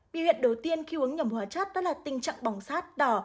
biểu hiện đầu tiên khi uống nhầm hóa chất đó là tình trạng bỏng sát đỏ